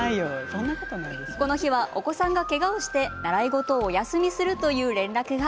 この日は、お子さんがけがをして習い事をお休みするという連絡が。